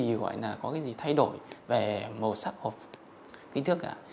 gọi là có cái gì thay đổi về màu sắc hộp kinh thức cả